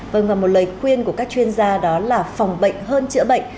vâng và một lời khuyên của các chuyên gia đó là phòng bệnh hơn chữa bệnh